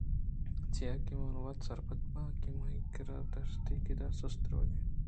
چیا کہ من وت سرپدباں کہ منا راکدی گُشادءُ کدی سُست رَوَگی اِنت